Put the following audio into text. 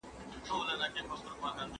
هيله او احترامانه غوښتنه.